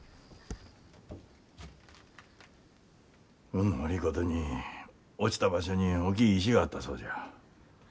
運の悪いことに落ちた場所に大きい石があったそうじゃ。